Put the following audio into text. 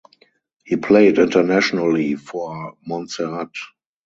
He played internationally for Montserrat.